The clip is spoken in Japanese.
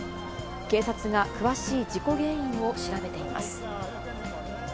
警察が詳しい事故原因を調べています。